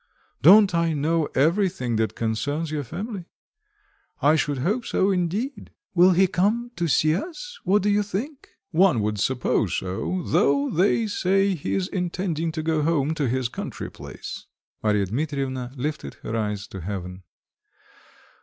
Don't I know everything that concerns your family? I should hope so, indeed." "Will he come to see us what do you think?" "One would suppose so; though, they say, he is intending to go home to his country place." Mary Dmitrievna lifted her eyes to heaven.